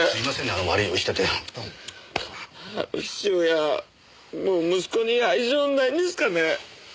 あの父親もう息子に愛情ないんですかね？